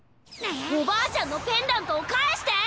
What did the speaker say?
おばあちゃんのペンダントをかえして！